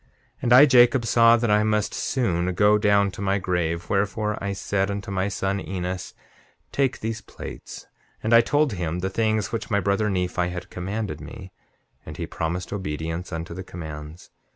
7:27 And I, Jacob, saw that I must soon go down to my grave; wherefore, I said unto my son Enos: Take these plates. And I told him the things which my brother Nephi had commanded me, and he promised obedience unto the commands.